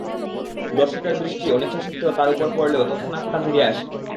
দর্শকের দৃষ্টি অনিচ্ছা সত্ত্বে তার উপর পড়লেও তৎক্ষণাৎ তা ফিরে আসে।